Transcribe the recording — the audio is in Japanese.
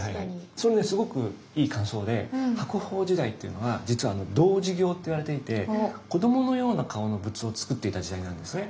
それねすごくいい感想で白鳳時代っていうのは実は「童子形」と言われていてこどものような顔の仏像をつくっていた時代なんですね。